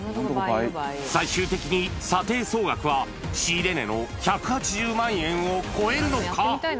最終的に査定総額は仕入れ値の１８０万円を超えるのか？